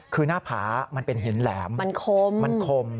คือหน้าผามันเป็นหินแหลมมันคมมันคม